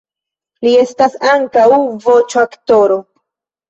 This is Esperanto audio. Li estas ankaŭ voĉoaktoro.